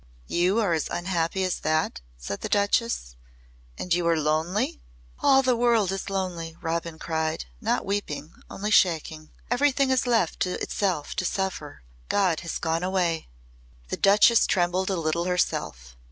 "You are as unhappy as that?" said the Duchess. "And you are lonely?" "All the world is lonely," Robin cried not weeping, only shaking. "Everything is left to itself to suffer. God has gone away." The Duchess trembled a little herself.